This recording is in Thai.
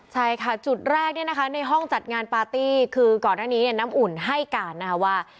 ใช่ค่ะจุดแรกเนี่ยนะคะในห้องจัดงานปาร์ตี้คือก่อนหน้านี้เนี่ยน้ำอุ่นให้การนะคะว่า